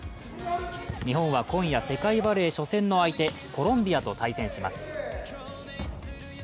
日本は今夜、世界バレー初戦の相手コロンビアと対戦します。